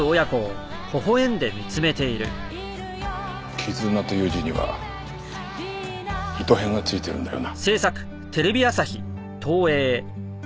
「絆」という字には糸偏が付いてるんだよな。